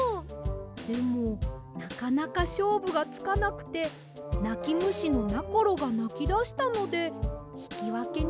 でもなかなかしょうぶがつかなくてなきむしのなころがなきだしたのでひきわけにしました。